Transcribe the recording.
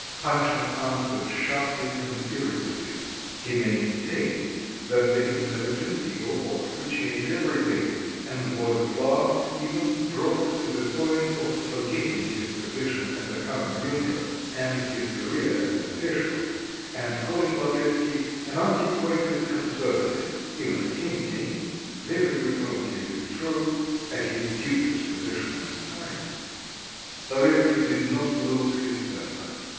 Panshin answered sharply and irritably. He maintained that the intelligent people ought to change everything, and was at last even brought to the point of forgetting his position as a kammer yunker, and his career as an official, and calling Lavretsky an antiquated conservative, even hinting very remotely it is true at his dubious position in society. Lavretsky did not lose his temper.